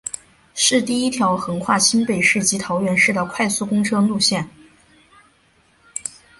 是第一条横跨新北市及桃园市的快速公车路线。